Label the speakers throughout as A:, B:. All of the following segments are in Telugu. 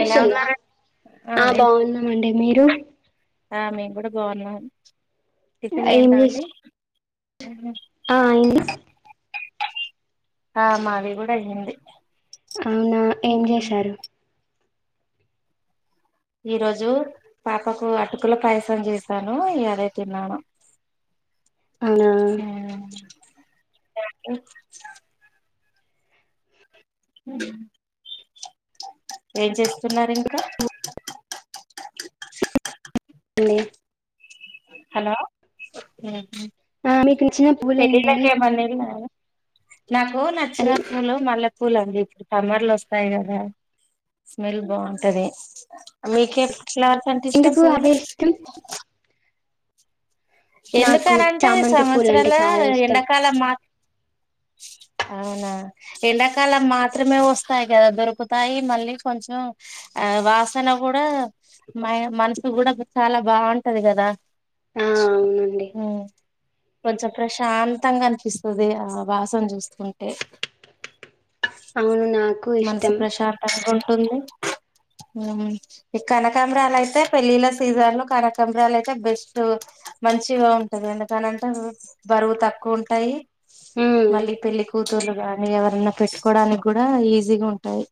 A: ఎలా ఉన్నారండి
B: ఆ బాగున్నామండీ మీరు
A: ఆ మేము కూడా బాగున్నా టిఫిన్
B: ఏం
A: ఏంటి
B: చేస్
A: అండి అ
B: ఆ అయింది
A: ఆహ మావి కూడా అయ్యింది
B: ఏం చేశారు
A: ఈ రోజు పాపకు అటుకుల పాయసం చేశాను ఏదై తిన్నాను
B: అవునా
A: హ ఓే ఏం చేస్తున్నారు ఇంకా
B: లే
A: హలో
B: ఆ మీకు నచ్చిన పూలే
A: పెళ్ళిళ్ళకి
B: ఏంటడి
A: ఏమన్నా ఎల్లారా నాకు నచ్చినప్పులు మళ్ళా పులు అండి ఇప్పుడు సమ్మర్లు వస్తాయి కదా స్మెల్ బాగుంటది మీకే ఫ్లవర్స్ అంటే ఇష్టాం
B: ఎందుకు
A: పూవ్లు
B: అవే ఇష్టం నాకు
A: ఎందుకనంటే
B: చామంతి పూలు అంటే
A: సంవత్సరాల
B: చాలా ఇష్టం
A: ఎడాకాల మా అవునా ఎండాకాలం మాత్రమే వస్తాయి కదా దొరుకుతాయి. మళ్లీ కొంచెం వాసన కూడా మనసుకు చాలా బాగుంటది కదా
B: ఆ అవునండి
A: ఉమ్ కొంచెం ప్రశాంతంగా అనిపిస్తది. వాసన చూస్తుంటే.
B: అవును నాకు ఇష్టం.
A: ప్రశాంతంగా ఉంటుంది ఉమ్ ఈ కనకంబరాలు అయితే పెళ్ళిళ్ళ సీజన్లు కనకాంబరాలు అయితే బెస్ట్ మంచిగా ఉంటది. ఎందుకనంటే బరువు తక్కువ ఉంటాయి.
B: ఉమ్
A: మళ్ళీ పెళ్లి కూతుర్లు కానీ ఎవరన్నా పెట్టుకోడానికి కూడా ఈజీగా ఉంటాయి.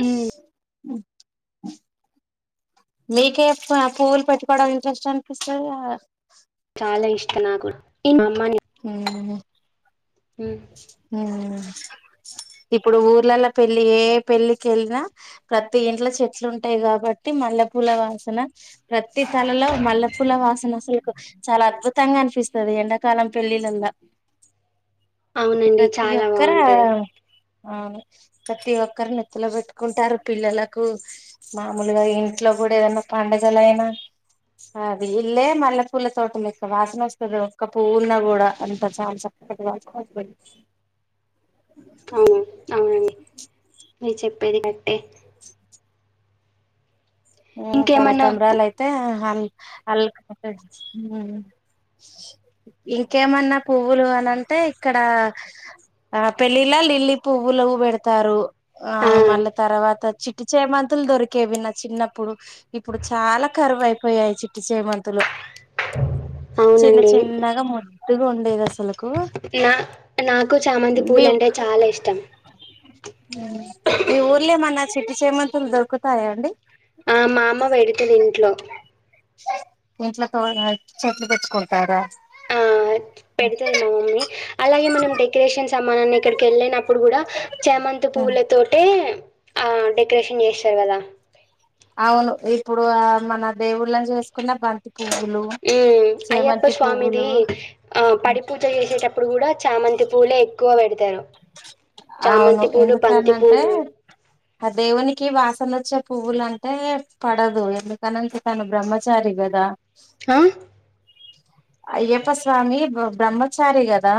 B: ఉమ్
A: ఉమ్ మీకే ఏ పు పువ్వులు పెట్టుకోవడం ఇంటెస్ట్ అనిపిస్తది.
B: మల్లెలు ఇష్టం నాక్కూడా ఇన్ అమ్మని
A: ఉమ్
B: ఉమ్
A: ఉమ్ ఇప్పుడు ఊర్లలో పెళ్లి ఏ పెళ్లికి వెళ్ళినా ప్రతి ఇంట్లో చెట్లు ఉంటాయి. కాబట్టి మల్లె పూల వాసన ప్రతి తలలో మల్లె పూల వాసన అసలు. చాలా అద్భుతంగా అనిపిస్తది ఎండాకాలం పెళ్లిలల్లా.
B: అవునండి చాలా బాగుంటది.
A: అవును ప్రతి ఒక్కరు నెత్తిల పెట్టుకుంటారు. పిల్లలకు మామూలుగా ఇంట్లో కూడా ఏదైనా పండగల అయినా అది ఇళ్లే మల్లె పూల తోట లెక్క వాసన వస్తది. ఒక్క పువ్వున కూడా అంత చాల చక్క వాసన వస్ గోలి
B: నీది చెప్పేది నట్టే.
A: ఉమ్
B: ఇంకేమన్నా
A: కనకంబరాలు
B: పు-
A: అయితే అ ఇంకేమన్నా పువ్వులు అని అంటే ఇక్కడ ఆహ్ పెళ్ళిలా లిల్లీ పువ్వులు పెడతారు.
B: ఆ
A: ఆహ్ మళ్ళా తర్వాత చి చేమంతులు దొరికేవి నా చిన్నప్పటివి. ఇప్పుడు ఇప్పుడు చాలా కరువైపోయాయి చిట్టి చేమంతులు. చిన్న
B: అవునండి
A: చిన్నగా ముద్దు ఉండేదసలు.
B: నా నాకు చామంతి
A: మీ
B: పూలు అంటే చాలా ఇష్టం
A: మీ ఉర్లెమ్మన్న. చిట్టి చేమంతులు దొరుకుతాయా అండి.
B: ఆ, మా అమ్మ పెడుతుంది ఇంట్లో
A: ఇంట్లో తోనా చెట్లు తెంపుకుంటార.
B: ఆహ్ పెడుతది మా మమ్మీ అలాగే మనం డెకరేషన్స్. సమానన్ని ఇక్కడికి వెళ్ళి నా. అప్పుడు కూడా చమంతి పువ్వుల
A: ఆ
B: తోటే. ఆహ్ డెకరేషన్ చేస్తారు కదా.
A: అవును ఇప్పుడు ఆహ్ మన దేవుళ్ళని చేస్
B: ఉమ్ అయ్యప్ప
A: చేమంతి
B: స్వామిది
A: పువ్వులు
B: ఆహ్ పడి పూజ చేసేటప్పుడు కూడా చామంతి పూలే ఎక్కువ పెడ్
A: అవును ఎందుకని
B: బంతి
A: అంటే
B: పూలు
A: ఆ దేవునికి వాసన వచ్చే పువ్వులు అంటే పడదు ఎందుకని తను బ్రహ్మచారి గదా
B: ఆ?
A: అయ్యప్ప స్వామి బ్రహ్మచారి గదా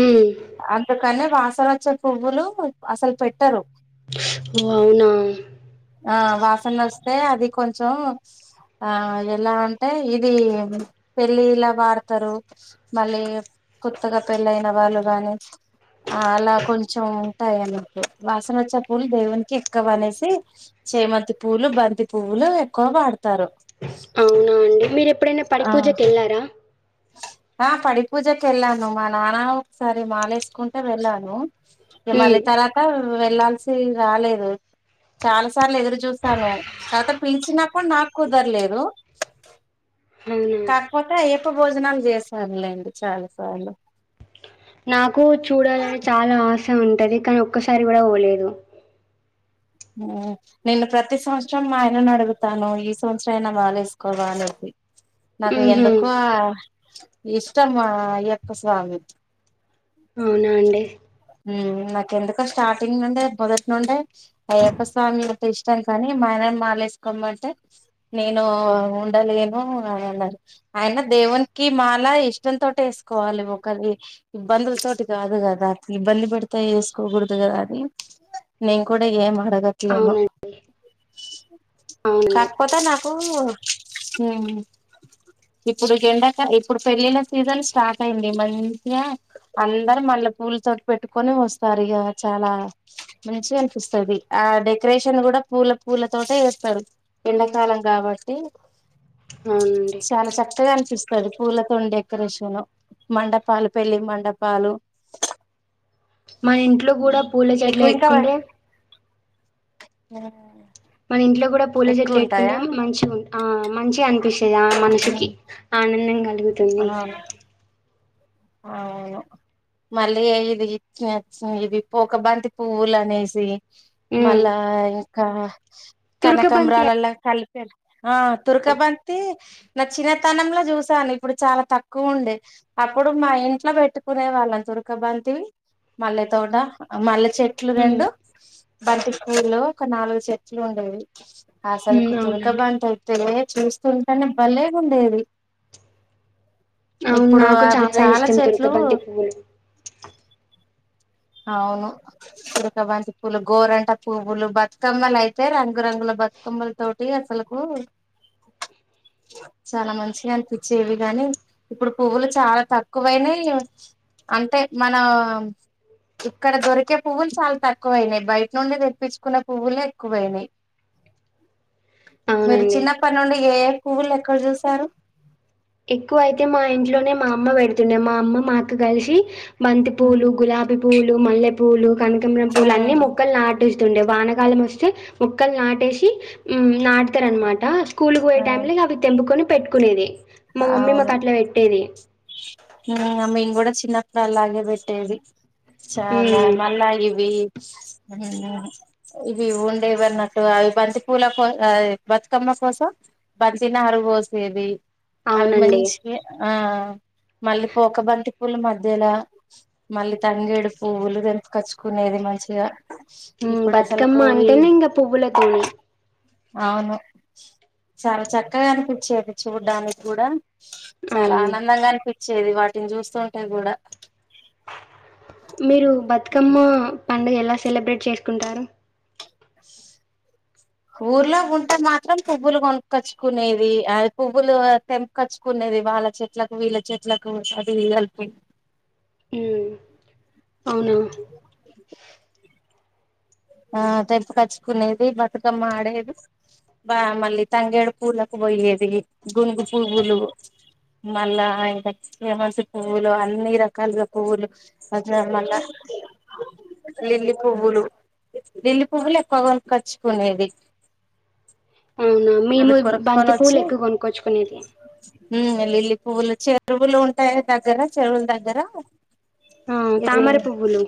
B: ఉమ్.
A: అనే వాసనచే పువ్వులు అసలు పెట్టరు
B: ఓ అవునా
A: టె అది కొంచెం ఆ ఎలా అంటే ఇది పెళ్ళిల్ల వాడతారు మళ్ళీ కొత్తగా పెళ్ళ అయిన వాళ్ళు గానీ ఆ అలా కొంచెం ఉంటాయి అన్నట్టు వాసన వచ్చ పూలు దేవునికి ఎక్కువనేసి చేమంతి పూలు బంతి పూవ్వులు ఎక్కువ వాడతారు
B: అవునా అండి మీరు ఎప్పుడైనా
A: ఆ
B: పడిపూజకు ఏళ్ళారా
A: ఆ పడిపూజకి వెళ్ళాను మా నాన్న ఒకసారి మాలేసుకుంటే వెళ్ళాను
B: ఉమ్,
A: హిమాలి తర్వాత వెళ్లాల్సి రాలేదు చాలా సే సార్లు ఎదురు చూసాను కాక పిలిచినప్పుడు నాకు కుదరలేదు
B: అవునా
A: కాకుపోత ఏ ఉప్ప భోజనం చేస్తరులేండి చాలా సార్లు
B: నాకు చూడాలని చాలా ఆస్ చం ఉంటది కానీ ఒక్కసారి గుడా పోలేదు
A: హమ్ నేను ప్రతి సంవత్సరం మా ఆయనను అడుగుతాను ఈ సంవత్సరం అయినా మాల వేసుకోవ అని నాకు
B: హుహు.
A: ఎందుకో ఇష్టమ్మా అయ్యప్ప స్వామి
B: అవునా అండి
A: ఉమ్ నాకు ఎందుకో స్టార్టింగ్ నుండే మొదటి నుండే అయ్యప్ప స్వామి అంటే ఇష్టం కానీ మా ఆయన మాల వేసుకోమంటే నేను ఉండలేను అనీ అన్నరు అయిన దేవునికి మాల ఇష్టంతో వేసుకోవాలి ఒకరి ఇబ్బందుల తోటి కాదు కదా ఇబ్బంది పెడతా చేసుకోకూడదు కదా అది నేను కూడా ఏమ్ అడగట్లేను
B: అవునండి. అవునండి.
A: కాకపోతే నాకు ఉమ్ ఇప్పుడు ఎండకా ఇప్పుడు పెళ్లిళ్ల సీజన్ స్టార్ట్ అయింది మంచిగా అందరు మల్లెపూల తోటి పెట్టుకొని వస్తారు ఇగ చాలా మంచిగ అనిపిస్తుంది ఆ డెకరేషన్ కూడా పూల పూల తోటే చేస్తరు ఎండాకాలం కాబట్టి
B: అవునండి
A: తగ అనిపిస్తది పూలతోని డెకరేషను మండపాలు పెళ్లి మండపాలు
B: మా ఇంట్లో గుడా పూల చెట్లు ఎటుకుండే
A: హ
B: మన ఇంట్లో గుడా పూల చెట్లు పెట్టుకుంటే మంచి ఆ మంచిగ అనిపిస్తది ఆ మనషికి
A: అవును
B: ఆనందం ఇంకన్నీ.
A: అవును మల్లి యే ఇది, ఇది ఒక బంతి పువ్వులు అనేసి,
B: హ్మ్.
A: మళ్ళా ఇంకా.
B: తురకబంతి
A: కనకంబ్రాలల్ల కలిప్. ఆ తుర్కబంతి, నా చినతనంలో చూశాను. ఇప్పుడు చాలా తక్కువ ఉండే. అప్ అప్పుడు మా ఇంట్లో పెట్టుకునే వాళ్ళం తుర్క బంతివి, మల్లె తోట, ఆ మల్లె. చెట్లు
B: హ్మ్.
A: రెండు. బంతి పూలు, ఒక నాలుగు చెట్లు ఉండేవి.
B: హ్మ్.
A: అసల్కూ
B: అవునండి.
A: తుర్కాబంతి ఉంటే నే. చూస్తుంటానే, భలేగ్ ఉండేది. ఇప్పుడు ఆవిట్.
B: భలే ఇష్టం తుర్కా బంతిపూలు.
A: అవును తురక బంతి పూలు, గోరంట పువ్వులు, బతుకమ్మలు అయితే రంగురంగుల బతుకమ్మల తోటి అసలుకు చాలా మంచిగా అనిపించేవి కాని ఇప్పుడు పువ్వులు చాలా తక్. ఎక్కువైనాయి, అంటే మన ఇక్కడ దొరికే పువ్వులు చాలా తక్కువైనాయి, బయట నుండి తెప్పించుకునే పువ్వులే ఎక్కువైనాయి, మీరు
B: అవునండి.
A: చిన్నప్పటి నుండి ఏ ఏ పువ్వులు ఎక్కడ చూసారు.
B: ఎక్కువ అయితే, మా ఇంట్లోనే మా అమ్మ పెడుతుండే, మా అమ్మ మా అక్క కలిసి.
A: ఉమ్
B: బంతిపూలు, గులాబీ పూ. పూలు, మల్లె పూలు. కనకంబరం పూలు, అన్ని
A: ఉమ్
B: మొక్కలు నాటిస్. తుండే, వానకాలం వస్తే మొక్కలు నాటేసి ఉమ్మ్ నాట్. స్తారు అన్నమాట, స్కూలుకు పోయే టైమ్ లో ఇగ అవి తెంపుకొని. పెట్టుకునేది. మా మమ్మీ
A: అవును
B: మాకు అట్లా పెట్టేది
A: ఇంగ మేము కూడా చిన్నప్. నాలాగే పెట్టేది. చాలా
B: మ్,
A: మళ్ళ ఇవి. ఉహుమ్ ఇవి ఉండేవి అన్నట్టు, అవి బంతిపూల కో ఆ బతుకమ్మ కోసం బంతినారు పోసేది. అవి
B: అవునండి
A: మంచివే. ఆ మళ్ళీ పోక బంతి పూల మధ్యలా మళ్ళీ తంగేడు పువ్వులు, తెంపుకోచ్చుకునేది మంచిగా.
B: ఉమ్
A: ఇప్పుడు అసలుకు
B: బతుకమ్మ
A: ఈ
B: అంటానే ఇంగా పువ్వుల తోని.
A: అవును చాలా చక్కగా అనిపించేది చూడ్డానిక్. గూడ. చాలా
B: అవును
A: ఆనందంగా అనిపిచ్. చ్చేది వాటిని జుస్తుంటే గూడ.
B: మీరు బతుకమ్మ పండుగ, ఎలా సెలబ్రేట్ చేసుకుంటారు.
A: ఊర్లో ఉంటే మాత్రం పువ్వులు కొనుక్కొచ్చుకునేది, అది పువ్వులు తెంపుకొచ్చుకునేది వాళ్ళ చెట్లకు వీళ్ళ చెట్లకు అది కలిపి.
B: ఉమ్మ్ అవునా.
A: ఆ తెంపుకోచ్చుకునేది. బతుకమ్మ ఆడేది బా మళ్ళీ తంగేడు పూలకు పోయేది. గునుగు పువ్వులు, మళ్ళా ఇంకా చేమంతి పువ్వులు అన్ని రకాలుగా పువ్వులు మంచిగా మళ్ళా, లిల్లీ పువ్వులు. లిల్లి పువ్వులు ఎక్కువ కొనుక్కొచ్చుకునేది.
B: అవునా
A: అవి
B: మేము
A: కొనుక్కొని
B: బంతి పూలు
A: వచ్చి
B: ఎక్కువ కొనుక్కొచ్చుకునేది
A: లిల్లీ పువ్వులు చెరువులు ఉంటాయి దగ్గర చెరువుల దగ్గర
B: ఆ
A: ఇది
B: తామరపువ్వులు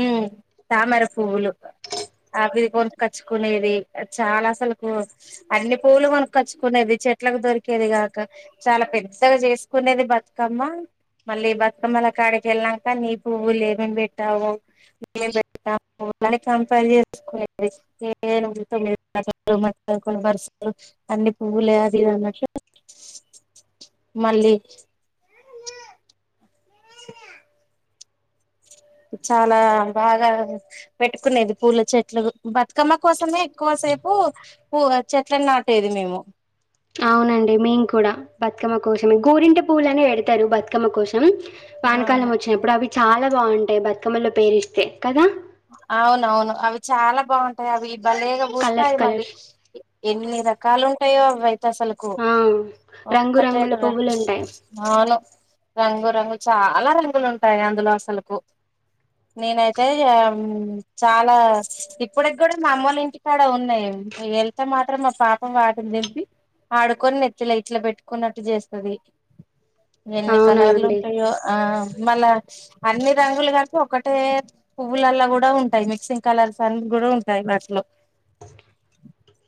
A: ఉమ్ తామర పువ్వులు ది కొనుచ్చుకునేది చాలా అసలు అన్ని పువ్వులు కొనుకుచ్చుకునేది చెట్లకు దొరికేది కాక చాలా పెద్దగా చేసుకునేది బతుకమ్మ మళ్ళీ బతుకమ్మల కాడికి ఎల్లినంక నీ పువ్వులు ఏమేమి పెట్టావు అని కంపేర్ చేసుకునేది ఏ తొమ్మిది పదకొండు బరుసలు అన్ని పువ్వులే అది అన్నట్టు మళ్ళీ [inaudible] చాలా బాగా పెట్టుకునేది పూల చెట్లు బతుకమ్మ కోసమే ఎక్కువసేపు పూ చెట్లలను నాటేది మేము
B: అవునండి మేము కూడా బతుకమ్మ కోసమే గోరింట పువులనే పెడతారు బతుకమ్మ కోసం వానకాలం వచ్చినప్పుడు అవి చాలా బాగుంటాయి బత్ కమ్మల్లో పేరిస్తే కదా
A: అవునవును అవి చాలా బాగుంటాయి అవి బలేగా
B: కలర్స్
A: పూస్తాయి మళ్ళీ
B: కలర్స్
A: ఎన్ని రకాలు టాయో అవ్వాయి అసలకు
B: ఆ రంగురంగుల
A: ఒక్కటెరెండ
B: పువ్వులు ఉంటాయి
A: అవును రంగు రంగు చాలా రంగులు ఉంటాయి అందులో అసలకు నేనైతే ఆ చాలా ఇప్పుటికి కూడా మా అమ్మల ఇంటికాడ ఉన్నాయి మేం వెళ్తే మాత్రం మా పాప వాటిని దెంపి ఆడుకొని నెత్తిల ఇట్ల పెట్టుకున్నట్టు చేస్తది ఎన్ని
B: అవునా
A: కలర్లు
B: అండి
A: ఉంటాయో ఆ మళ్ళ అన్ని రంగులుగా ఒకటే పువ్వులల్ల కూడా ఉంటాయి మిక్సింగ్ కలర్స్ అన్న కూడా ఉంటాయి వాట్లో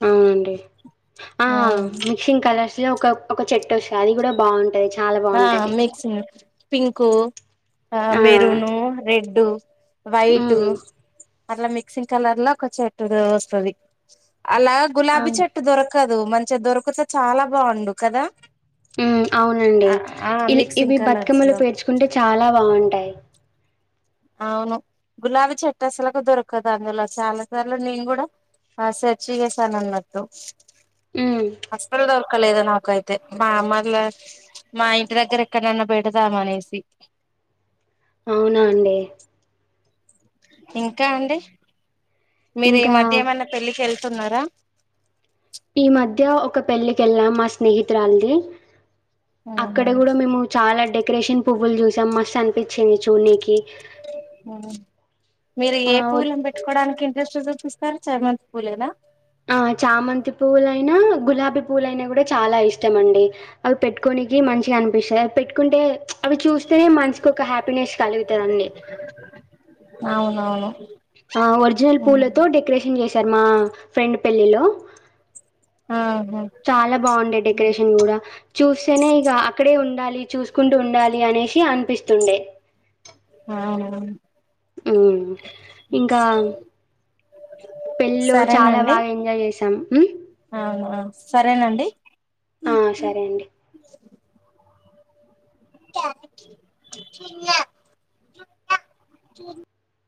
B: అవునండి ఆ మిక్సింగ్ కలర్స్ ఒకఒక చెట్టు వస్తాంది అది కూడా బాగుంటది చాలా
A: ఆ
B: బాగుంటది
A: మిక్సింగ్ పింకు ఆ మెరూను రెడ్ డు వైట్
B: ఉమ్
A: అట్లా మిక్సింగ్ కలర్ లో ఒక చెట్టు వస్తుంది అలా గులాబీ
B: అవును
A: చెట్టు దొరకద్ దు మంచిగా దొరికితే చాలా బాగుండు కదా
B: ఉం అవునండి
A: ఆ
B: ఇవి ఇవి
A: మిక్సింగ్ కలర్స్
B: బతుకమ్మలు
A: లో
B: పేర్చుకుంటే చాలా బాగుంటాయి
A: అవును గులాబీ చెట్ అసలకు దొరకదు అందులో చాలా సార్లు నేను కూడా ఆ సెర్చ్ చేసాను అన్నట్టు
B: ఉమ్
A: అస్సల్ దొర్ అక్క లేద నాకైతే మా అమ్మ అట్లా మా ఇంటి దగ్గర ఎక్కడన్నా పెడదాము అనేసి,
B: అవునా అండి
A: ఇంకా అండి మీరు ఈ
B: ఇంకా
A: మధ్య ఏమన్నాపెళ్ళి కి వేళ్ళు తున్నారా
B: ఈ మధ్య ఒక పెళ్ళికెళ్లాము మా స్నేహితురాలది అక్కడ
A: ఆహా
B: కూడా మేము చాలా డెక్ క్రేషన్ పువ్వులు చూసాం మస్తు అనిపించింది చూనకి
A: మీరు
B: ఆ
A: ఏ పువ్వులను పెట్టుకోవడానికి ఇంట్రెస్ట్ చూపిస్త కర్ చామంతి పూలేనా,
B: ఆ చామంతి పూవలయినా గులాబీ పువ్వులు అయినా కూడా చాలా ఇష్టం అండి. అవి పెట్టుకోనికి మంచిగా అనిపిస్తాయి పెట్టుకుంటే, అవి చూస్తేనే మనసుకు ఒక హ్యాపీనెస్ కలుగుతదండి,
A: అవునవును
B: ఆ ఒరిజినల్ పూలతో డెకరేషన్ చేసి శర్మ ఫ్రెండ్ పెళ్ళిలో
A: ఆహా
B: చాలా బాగుండే డెకరేషన్ కూడా చూస్తేనే ఇక అక్కడే ఉండాలి, చూసుకుంటూ ఉండాలి అనేశి అనిపిస్తుండే,
A: ఆవున
B: ఊ ఇంకా, పెళ్ళి లో చాలా
A: సరేనండి
B: బాగా ఎంజాయ్ చేసాం హు
A: అవునా సరేనండి
B: ఆ సరే అండి
A: న్నా